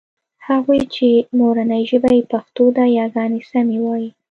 هغوی چې مورنۍ ژبه يې پښتو ده یاګانې سمې وايي